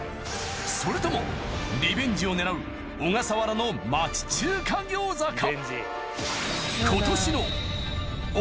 それともリベンジを狙うオガサワラの町中華餃子か？